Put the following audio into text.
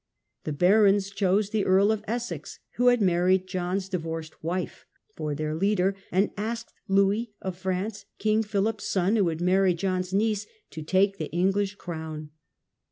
The barons chose the Earl of Essex (who had married John's divorced wife) for their leader, and asked Louis of France, King Philip's son, who had married John's niece, to take the English crown.